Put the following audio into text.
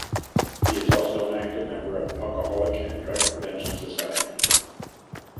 He is also an active member of Alcoholic and Drug Prevention Society.